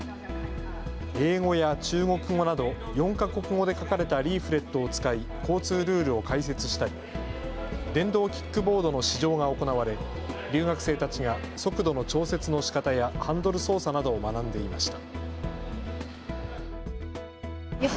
英語や中国語など４か国語で書かれたリーフレットを使い交通ルールを解説したり電動キックボードの試乗が行われ留学生たちが速度の調節のしかたやハンドル操作などを学んでいました。